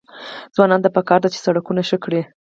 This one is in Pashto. ځوانانو ته پکار ده چې، سړکونه ښه کړي.